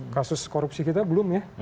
kasus korupsi kita belum ya